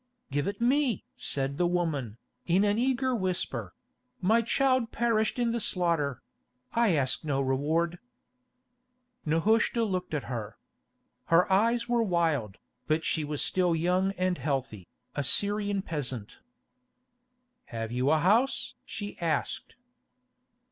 "Give it me!" said the woman, in an eager whisper; "my child perished in the slaughter; I ask no reward." Nehushta looked at her. Her eyes were wild, but she was still young and healthy, a Syrian peasant. "Have you a house?" she asked.